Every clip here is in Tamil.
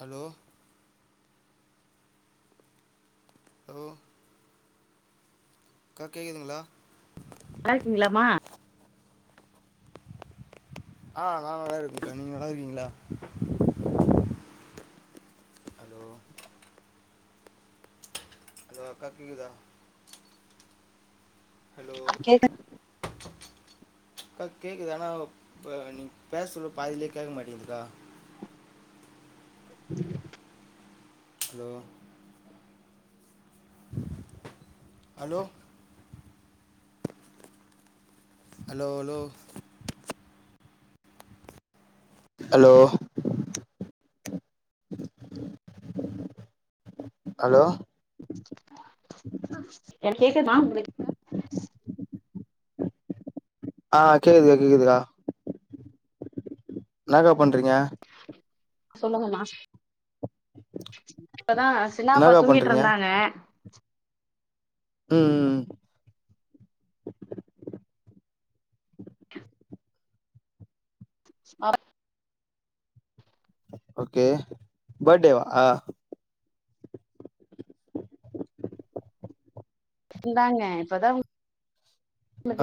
ஹலோ ஹலோ அக்கா கேக்குதுங்களா நல்லாருக்கீங்களாமா ஆ நா நல்லா இருக்கேன்கா நீங்க நல்லா இருக்கீங்ளா ஹலோ ஹலோ அக்கா கேக்குதா ஹலோ கேட்ட அக்கா கேக்குது ஆனா ப நீங் பேசுர பாதிலே கேக்க மாட்டிங்கிதுக்கா hello hello hello hello hello hello எனுக் கேக்குதுபா உங்ளுக் ஆ கேக்குதுகா கேக்குதுக்கா என்னாக்கா பண்றீங்க சொல்லுங்கணா இப்பதா சின்னாப்பா என்னக்கா பண்றீங்க தூங்கிட்ருந்தாங்க ம் ஆ ஓகே படேவா இந்தாங்க இப்பதா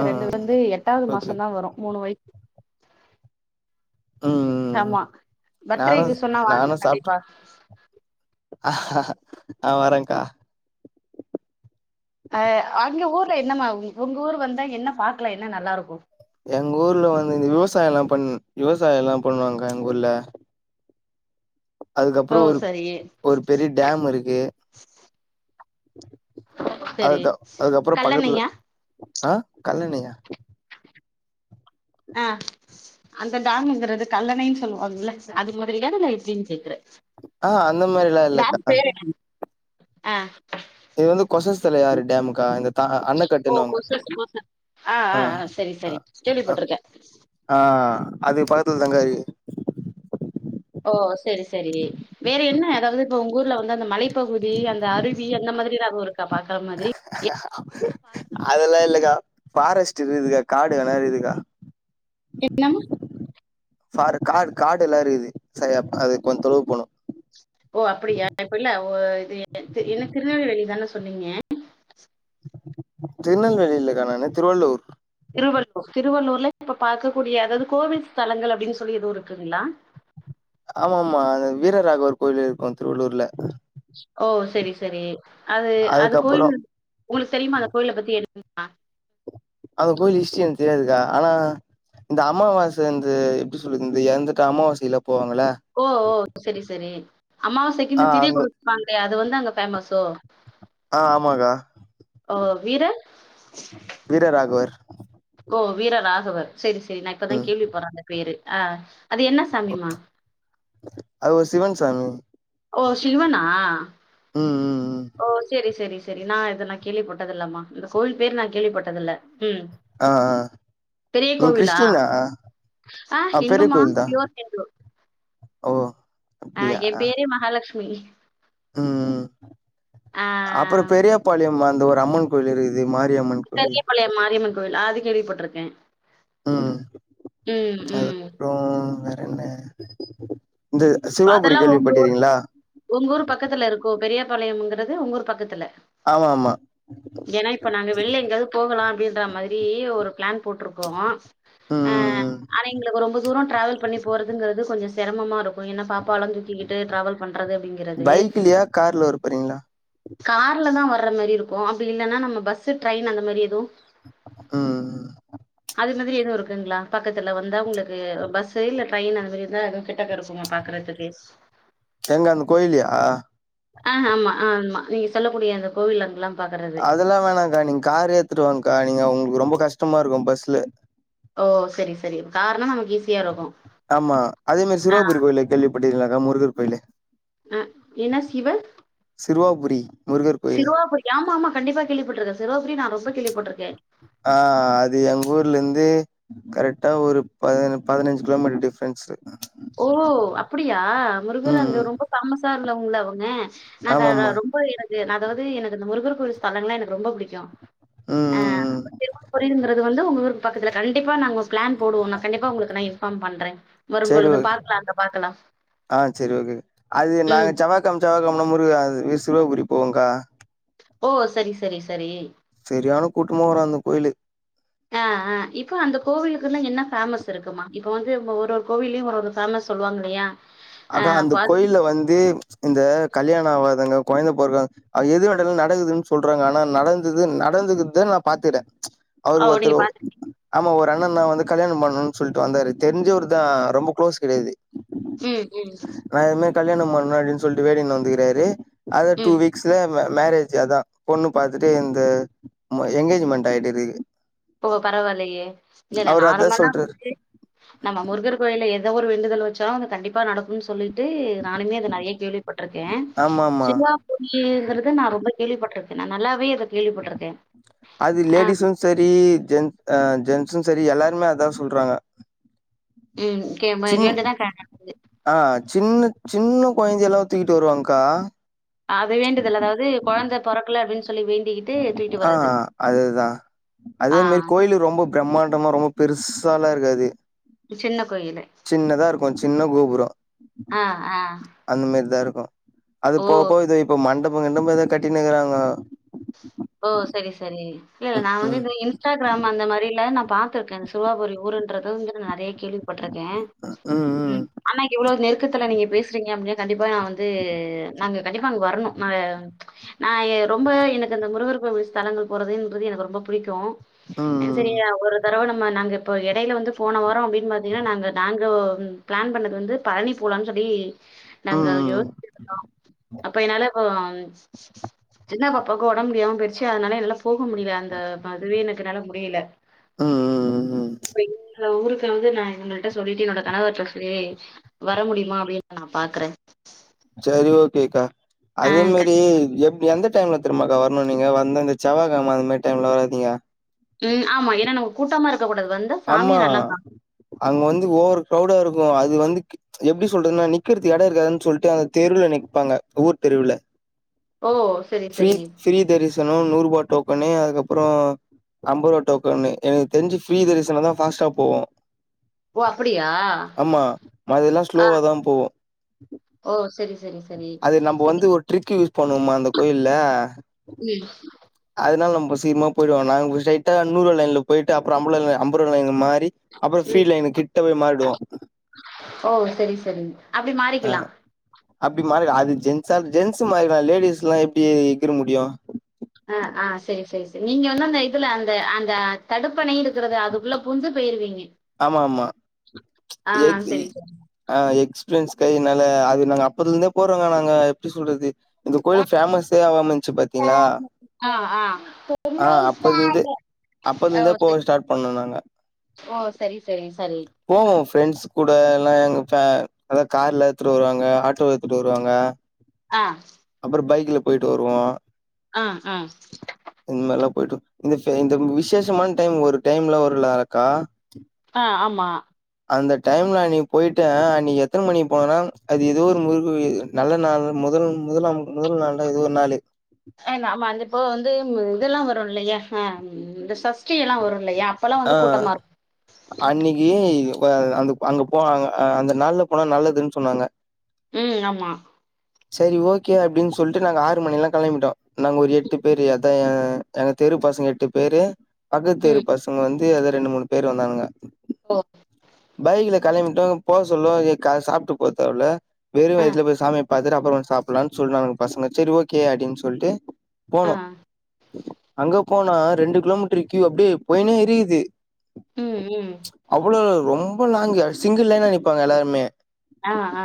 ஆ ரெண்டு வந்து எட்டாவ்து ஓகே மாசந்தா வரு மூணு வய் ம் ஆமா நானு பர்த்டேக்கு சொன்னா வாங்க நானு சாப்ட்டு கண்டிப்பா ஆ வரன்க்கா அ அங்க ஊர்ல என்னமா ஊ ஒங்கூரு வந்தா என்ன பாக்லா என்ன நல்லா இருக்கு எங் ஊர்ல வந்து இந்த விவசாயலா பண் விவசாயலா பண்ணுவாங்க எங்க ஊர்ல அதுக்கப்றோ ஓ ஒரு சரி ஒரு பெரிய டேம் இருக்கு சரி அதுதா அதுக்கப்றோ பக்கத்துல கல்லணையா ஆ கல்லணையா ஆ அந்த டேம்ங்கிறது கல்லணைன் சொல்லுவோம்ல்ல அது மாதிரிதான இல்ல எப்டின் கேக்குற ஆ ஹ அந்த மாரில டேம் பேரென்ன அ இது வந்து கொசஸ்தலயாரு டேமுகா இந்த த அண்ண கட்டுன்வாங்க பெஸ்ட்டு கோசா ஆ ஆ ஆ சரி சரி கேள்வி அ பட்ருக்கே ஆ அது பக்கத்துல் தாங்கா இ ஓ செரி செரி வேற என்ன அதாவ்து இப்போ ஒங்கூர்ல வந்து அந்த மலை பகுதி அந்த அருவி அந்த மாதிரி எதாவ்து இருக்கா பக்கம் அதெல்லா இல்லக்கா ஃபாரஸ்ட் இதுகிதுகா காடு வேனா இருகிதுகா என்னமா ஃபாரு காடு காடெல்லா இருக்குது சர்யா அது கொஞ் தொலுவு போனு ஓ அப்பிடியா இப்பில்ல ஓ இது என்ன திருநெல்வேலினிதான சொன்னீங்க திருநெல்வேலி இல்லக்கா நானு திருவள்ளூர் திருவள்ளூர் திருவள்ளூர்ல இப்ப பாக்க கூடிய அதாவ்து கோவில் ஸ்தலங்கள் அப்டின் சொல்லி எது இருக்குங்ளா ஆமாம்மா அது வீரராகவர் கோவில் இருக்கு திருவள்ளூர்ல ஓ செரி செரி அது அந்த அதுக்கப்புறோ கோய்லு உங்ளுக் தெரிமா அந்த கோய்ல பத்தி எது [inaudible] அந்த கோய்ல் ஹிஸ்ட்ரி எனக் தெரியாதுகா ஆனா இந்த அமாவாச வந்து எப்டி சொல்றது எறந்துட்டு அமாவாசைல போவாங்கள ஓ ஓ செரி செரி ஆ அமாவாசைக்கினு திதி அங்க குடுப்பாங்ளே அது வந்து அங்க ஃபேமஸோ ஆ ஆமாகா ஓ வீர வீரராகவர் ஓ வீர ராகவர் செரி செரி நா இப்பதா ம் கேள்விபட்றே அந்த பேரு ஆ அது என்ன சாமிமா அது ஒரு சிவன் சாமி ஓ சிவனா ம் ம் ம் ஓ செரி செரி செரி நா இத நா கேள்விப்பட்டதுல்லமா இந்த கோவில் பேரு நா கேள்விபட்டதுல்ல ம் ஆ ஆ பெரிய நீங் கோவிலா? கிறிஸ்டினா ஆ பெரிய ஹிந்தும்மா. கோவில் தா பியூர் ஹிந்து. ஓ ஆ அப்டியா என் பேரே மகாலக்ஷ்மி ம் ம் அப்பற பெரிய பாளையம் அந்த ஒரு அம்மன் கோயிலிருக்குது மாரியம்மன் கோவில் பழைய மாரியம்மன் கோவில் அது கேள்விப்பட்ருக்கே ம் ம் அப்றோ வேற என்ன இது அதெல்லா ஒங்கஊர் ஒங்கூரு பக்கத்துல இருக்கோ பெரியபாளையம்ங்கறது உங்க ஊர் பக்கத்துல ஆமாமா ஏன்னா இப்போ நாங்க வெளில எங்கயாவ்து போகலா அப்டின்ற மாரி ஒரு பிளான் போட்ருக்கோ ம் ஆ ம் ஆனா எங்களுக்கு ரொம்ப தூரொ ட்ராவல் பண்ணி போறதுங்குறது கொஞ்சொ செரமமா இருக் ஓ என்ன பாப்பாவலா தூக்கிக்கிட்டு ட்ராவல் பைக்லியா கார்ல வர போறீங்ளா கார்ல தா வர்ற மேரி இருக்கூ அப்டி இல்லனா நம்ம பஸ்ஸு ட்ரெயின் அந்த மாரி எதூ ம் ம் அது மாதிரி எதுவு இருக்குங்ளா பக்கத்துல வந்தா உங்களுக்கு பஸ்ஸு இல்ல ட்ரெயினு அது மாதிரி எதாவ்து கிட்டக்க இருக் எங்க அந்த கோயில்லயா ஆ ஆமா ஆமா நீங்க சொல்லக்கூடிய அந்த கோவில் அங்கல்லாம் பாக்கறது அதெல்லா வேணாக்கா நீங்காரே எடுத்துட்டுவாங்க்கா நீங்க உங்களுக்கு ரொம்பொ கஷ்டமா இருக்கூ பஸ்ல ஓ செரி செரி இப்ப கார்னா நமக்கு ஈஸியா இருக்கூ ஆமா அதே மாரி சிறுவாபுரி கோயில கேள்விப்பட்ருக்கீங்ளாகா முருகர் கோயிலு அ என்ன சிவ சிறுவாபுரி முருகர் கோயிலு சிறுவாபுரி ஆமா மா கண்டிப்பா கேள்விப்பட்ருக்கே சிறுவாபுரிய நா ரொம்ப கேள்விப்பட்ருக்கே ஆ அது எங்கூர்லேந்து கரெட்டா ஒரு பதி பதினஞ்சு கிலோமீட்டர் டிஃப்ரன்ஸு ஓ அப்புடியா முருகரு அங்க ரொம்ப ஃபேமஸா இருந்தவுங்கள அவுங்க நா அதா ஆமாமா அதான் ரொம்ப எனக்கு நா அதாவ்து எனக்கு இந்த முருகர் கோயில் ஸ்தலங்கள்லா எனக்கு ரொம்ப புடிக்கூ ம் ஆ ம் ம் அப்ப திருவாபுரிங்கறது வந்து வந்து உங்கஊர்க்கு பக்கத்துல கண்டிப்பா நாங்க ஒரு பிளான் போடுவோ நா கண்டிப்பா உங்களுக்கு நா இன்ஃபார்ம் பண்றே சரி வரும்பொழுது பார்க்கலாம், அங்க பார்க்கலாம். ஆ செரி ஓகே ஓகே அது நாங்க ம். செவ்வாக் க்கம் செவ்வாகெழம முருக அது சிறுவாபுரி போவோக்கா ஓ சரி சரி சரி செரியான கூட்டம்மா வரு அந்த கோயிலு ஆ ஆ இப்ப அந்த கோவிலுக்குனு என்ன ஃபேமஸ் இருக்குமா இப்ப வந்து ஒரு ஒரு கோவில்லயு ஒரு ஒரு ஃபேமஸ் சொல்லுவாங்கல்லயா அக்கா அந்த கோயில்ல வந்து இந்த கல்யாணோ ஆவாதவங்க கொழந்த பொறக்காத அது எத கேட்டாலு நடக்குதுன் சொல்றாங்க ஆனா நடந்தது நடந்துக்குது நா பாத்துர அவரு ஓ! நீங்க ஒத்தரு பார்த்து ஆமா ஒரு அண்ணன்ன வந்து கல்யாணம் பண்ணணுன் சொல்ட்டு வந்தாரு தெரிஞ்சவரு தா ரொம்ப க்ளோஸ் கெடையாது ம் ம் நா இது மாரி கல்யாணம் பண்ண அப்டின் சொல்லிட்டு வேண்டின் வந்துகிறாரு அத டூ ம். வீக்ஸ்ல மரேஜ் அதா பொண்ணு பாத்துட்டே இந்த ஆமா எங்கேஜ்மெண்ட் ஆய்டுது ஓ பரவால்லையே இல்லல்ல அவரு அதான் நார்மலா சொல்றாரு. வந்துட்டு நம்ம முருகர் கோயில்ல எதோ ஒரு வேண்டுதல் வச்சாலு அது கண்டிப்பா நடக்குன் சொல்லிட்டு நானுமே அத நறையா கேள்வி பட்ருக்க ஆமாமா. சிலா டிங்கிறது நா ரொம்ப கேள்விப்பட்ருக்க நா நல்லாவே அத கேள்விப்பட்ருக்க அது லேடிஸு சரி ஜென் அ ஜென்ஸு சரி எல்லாருமே அதா சொல்றாங்க ம் கே சின் மகண்டுதா கேக்கனு ஆ சின்ன சின்ன கொழந்தைல்லா தூக்கிட்டு வருவாங்க்கா அது வேண்டதில்ல அதாவது கொழந்த பொறக்கல அப்டின் சொல்லி வேண்டி ஆ அதுதா அதே ஆ மாரி கோயிலு ரொம்ப பிரம்மாண்டமா ரொம்ப பெருசாலா இருக்காது சின்ன கோயிலு சின்னதா இருக்கு சின்ன கோபுரோ ஆ அ அந்த மாரிதா இருக்கு அது போகப்போ இது இப்ப மண்டபோ கிண்டபோ ஏத கட்டினுருக்கிறாங்க உம் ஓ சரி சரி இல்ல நா வந்து இந்த இன்ஸ்டாக்ரம் அந்த மாதிரில நா பாக் ட்ருக்க இந்த சிவாபுரி ஊருன்றது வந்து நா நெறைய கேள்விப்பட்ருக்க ம் ஆனா இவ்ளோ நெருக்கத்துல நீங்க பேசுறீங்க அப்டின்னா கண்டிப்பா நா வந்து நாங்க கண்டிப்பா அங்க வர்ணு ந நா ரொம்ப எனக் அந்த முருகர் கோவில் ஸதலங்கள் போறது என்பது எனக்கு ரொம்ப பிடிக்கு ம், சரிய ம், ஒரு தரவ நம்ம நாங்க இப்ப எடையில வந்து போன வாரோ அப்டின்னு பாத்தீங்கன்னா நாங்க நாங்க ப்ளன் பண்ணது வந்து பழனி போலான் சொல்லி ம், நாங்க ம், யோசிச்சிட்ருந்தோ அப்ப என்னால சின்ன பக் பாக்கு ஒடம்ப முடியாம போய்டுச்சு அதனால என்னால போக முடியல அந்த இப்ப அதுவே எனக்கு என்னால முடியல ம், ம். அப்றோ எங்க ஊருக்கா வந்து நா இவங்கள்ட்ட சொல்லிட்டு என்னோட கணவர்ட்ட சொல்லி வர முடியமா அப்டின்னு நா பாக்கற சரி ஓகேக்கா அதே மேரி எப் எந்த டைம்ல தெர்ம்மாக்கா வரணு நீங்க வந்தா இந்த செவ்வா கெழம அந்த மாரி டைம்ல வராதீங்க ம் ஆமா ஏனா நம்ம கூட்டமா இருக்க கூடாது வந் அம்மா அங்க வந்து ஓவர் க்ரௌடா இருக்கு அது வந்து எப்டி சொல்றதுனா நிக்குறதுக்கு எடோ இருக்காதுன் சொல்ட்டு அந்த தெருவுல நிப்பாங்க ஊர் தெருவுல ஓ சரி ஃப்ரீ சரி ஃப்ரீ தரிசனோ நூறுபா டோக்கனு அதுக்கப்புறோ அம்பரூவா டோக்கன்னு எனக்கு தெரிஞ்சு ஃப்ரீ தரிசனோ தா ஃபாஸ்ட்டா போவு ஓ! அப்படியா? ஆம்மா மாதெல்லா ஆ. ஸ்லோவாதா போவு ஓ சரி சரி சரி இப் ட்ரிக்கு யூஸ் பண்ணுவோமா அந்த கோயில்ல நு அதனால நம்மோ சீக்கிரமா போயிடுவோ நாங்க ஸ்ரைட்டா நூறுபா லைன்ல போயிட்டு அப்றோ ஐம்புலைன் ஐம்பது ரூபா லைன்ல மாறி அப்றோ ஃப்ரீ ம். லைன்ல கிட்ட போய் மாறிவோ ஓ சேரி சேரி அப்டி ஆ மாறிக்கலா அப்டி மாறிட்லா அது ஜென்ஸா ஜென்ஸ் மாறிக்லா லேடிஸ்லா எப்டி எகுற முடியு அ ஆ சேரி சேரி சேரி நீங்க வந்து அந்த இதுல அந்த அந்த தடுப்பணை இருக்கறது அதுக்குள்ள புந்து போயிருவீங்க ஆமா ஆமா ஆ, எக்யி சரி, சரி. ஆ எக்ஸ்பீரியன்ஸ் கை நாலா அது நாங்க அப்பத்துல இருந்தே போறோங்க நாங்க எப்டி சொல்றது இந்த கோயிலு ஃபேமஸ் சே ஆகாம இருச்சி பாத்தீங்களா ஆ ஆ [inaudible] ஆ அப்பத்துல இருந்தே அப்பத்துல ஓ! இருந்தே சரி. போவ ஸ்டார்ட் பண்ணோ நாங்க ஓ சரி சரி சரி போவோ ஃப்ரெண்ட்ஸ் கூட எல்லா எங்க ஃபே அதா கார்லா எடுத்துட்டு வருவாங்க ஆட்டோ எடுத்துட்டு வருவாங்க ஆ அப்றோ பைக்ல போயிட்டு வருவோ ஆ அ இந்த மாரிலா போயிட்டு இந்த இந்த விசேஷமான டைம் ஒரு டைம்லா வரும்ல அக்கா ஆ ஆமா அந்த டைம்ல அன்னிக்கி போயிட்டே அன்னிக்கி எத்தன மணிக்கு போனேனா அது ஏதோ ஒரு முருக்கர் கோயி நல்ல நாள் முதல் முதல் முதல் நாள்ல எதோ ஒரு நாள் எ நாம்ம அந்த இப்போ வந்து இதெல்லா வரோ இல்லையா அ ம் இந்த சஷ்டில்லா வரு இல்லையா அப்பல்லாம் ஆ வந்து கூட்டமா இருக்கும். அன்னிக்கி அ அந்த அங்க போ அந்த நால்ல போனா நல்லதுன்னு சொன்னாங்க ம் ஆமா சேரி ஓகே அப்டின் சொல்லிட்டு நாங்க ஆறு மணிக்லா கெளம்பிட்டோ நாங்க ஒரு எட்டு பேர் ஆ எங்க தெரு பசங்க எட்டு பேரு பக்கத்து தெரு ம். பசங்க வந்து து ரெண்டு மூணு பேரு வந்தானுங்க ஒ பைக்ல கெளம்பிட்டோ போக சொல்லோ எ க சாப்புட்டு போதேவல்ல வெறு ஆ, வயித்துல போய் சாமிய பாத்துட்டு அப்புறோ வந்து சாப்புட்லான் சொன்னானுங்க பசங்க செரி ஓகே அப்டின்னு சொல்லிட்டு ஆ. போனோ அங்க போனா ரெண்டு கிலோமீட்டர் க்கியூ அப்டியே போயினே இருக்கியுது ம் ம் அவ்ளோ ரொம்ப லாங்கு சிங்கிள் லைன்ல நிப்பாங்க எல்லாருமே ஆ ஆ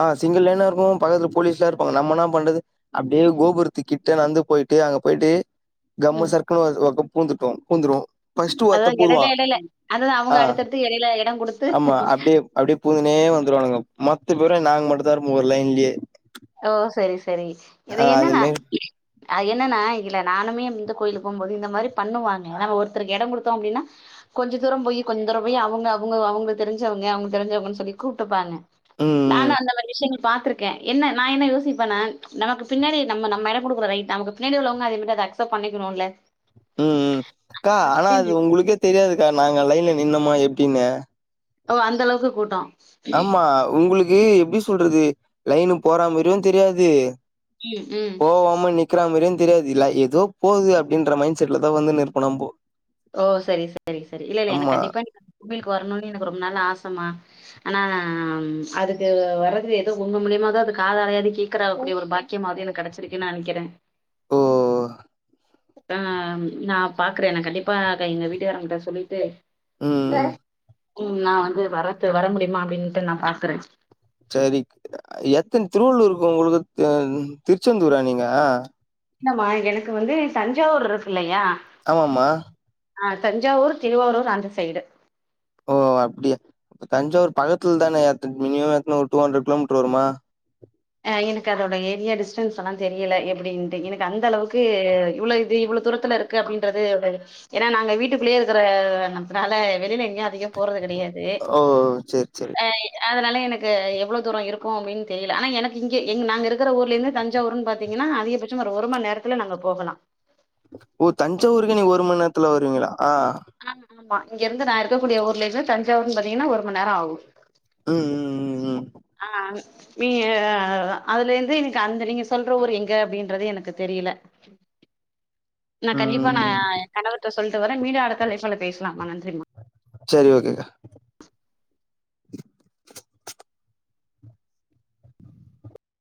ஆ சிங்கள் லைனா இருக்கு பக்கத்துல போலீஸ்லா இருப்பாங்க நம்மனா பண்றது அப்டியே கோபுரத்து கிட்ட நடந்து போயிட்டு அங்க போயிட்டு கம்மு ம். சர்க்னு ஒரு பக்கோ பூந்துட்டோ பூந்துறுவோ அதுதா எடைல எடையில அதுதா அவுங்க ஆ அடுத்தடுத்து எடைல எடோ குடுத்து ஆமா அப்டியே அப்டியே பூந்துனே வந்துருவானுங்க மொத்த பேரு நாங்க மட்டு தா இருப்போ ஒரு லைன்லயே ஓ செரி செரி இது ஆ அந்த என்னன்னா மாரி அ என்னன்னா இல்ல நானுமே இந்த கோயிலுக்கு போகும்போது இந்த மாரி பண்ணுவாங்க நம்ம ஒருத்தருக்கு எடோ குடுத்தோ அப்டின்னா கொஞ்ச தூரம் போயி கொஞ்ச தூரம் போயி அவுங்க அவுங்க அவுங்களுக்கு தெரிஞ்சவங்க அவுங்க தெரிஞ்சவங்கன்னு சொல்லி கூப்ட்டுப்பாங்க ம், ம், நானு அந்த மாரி விஷயங்கள் பாத்திருக்கே என்ன நா என்ன யோசிப்பனா நமக்கு பின்னடி நம்ம நம்ம எடோ குடுக்குறோ ரைட் நமக்கு பின்னாடி உள்ளவங்க அதே மாரி அத அக்செப்ட் பண்ணிக்கணும்ல ம் ம் அக்கா ஆனா அது உங்களுக்கே தெரியாதுக்கா நாங்க லைன்ல நின்னோமா எப்டின்னு ஓ அந்த அளவுக்கு கூட்டோ ஆமா உங்களுக்கு எப்டி சொல்றது லைனு போற மாரியு தெரியாது ம், ம். போவாம நிக் க்கற மாரியு தெரியாது இல்ல எதோ போது அப்டின்ற மைண்ட் செட்ல தா வந்து நிற்போ நம்போ ஓ சரி சரி சரி இல்ல இல்ல எனக்கு ஆமா கண்டிப்பா நீங்க அந்த கோயிலுக்கு வரணுனு எனக்கு ரொம்ப நாள ஆசமா ஆனா அதுக்கு வரது எதோ உங்க மூலியமோ அது காதாலயாது கேக்கற அப்டி ஒரு பாக்கி கியமா அது எனக்கு கடச்சிருக்குன்னு நெனைக்கற ஓ ஆஹ் நா பாக்ற நா கண்டிப்பா எங்க வீட்டுக்காரங்கிட்ட சொல்லிட்டு ம் ம் ம் நா வந்து வரது வர முடியுமா அப்டின்ட்டு நா பாக்கற சரி எத்தன திருவள்ளூர்க்கு உங்களுக்கு திருச்செந்தூரா நீங்க இல்லம்மா எனக்கு வந்து தஞ்சாவூர் இருக்கு இல்லையா ஆமாம்மா அ தஞ்சாவூர் திருவாரூர் அந்த சைடு ஓ அப்டியா தஞ்சாவூர் பக்கத்துல தான எத்தன மினிமம் எத்தன ஒரு டூ ஹண்ட்ரட் கிலோமீட்டர் வருமா எனக்கு அதோட ஏரியா டிஸ்டன்ஸ்ல்லா தெரியல எப்டின்ட்டு எனக்கு அந்த அளவுக்கு இவ்ளோ இது இவ்ளோ தூரத்துல இரு அப்டிறன்றது ஏ நாங்க வீட்டுக்குள்ளேயே இருக்கிறனால வெளியில எங்க அதிக போறது கெடையாது ஓ சரி சரி அ அதனால எனக்கு எவ்ளோ தூரோ இருக்கும் அப்டின்னு தெரில ஆனா எனக் இங்க எங் நாங்க இருக்கற ஊர்லேந்து தஞ்சாவூரு பாத்தீங்கன்னா அதிகபட்சம் ஒரு மண் நேரத்துல நாங்க போகலா ஓ தஞ்ச ஊருக்கே நீங்க ஒரு மண்நேரத்துல வருவீங்களா ஆ ஆமா இங்க இருந்து நா இருக்கக்கூடிய ஊர்ல இருந்து தஞ்சாவூர்னு பாத்தீங்கன்னா ஒரு மண் நேரோ ஆகும் ம் ம் ம் அ நீ அதுலேந்து இன்னிக்கு அந்த நீங்க சொல்ற ஊர் எங்க அப்டின்றது எனக்கு தெரியல நா ம் கண்டிப்பா நா ம் எ கணவர்ட்ட சொல்ட்டு வர மீடியா அடுத்த லேஃப்ல பேசலா மா நன்றிமா சரி ஓகேக்கா